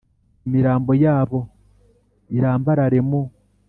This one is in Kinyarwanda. imirambo yabo irambarare mu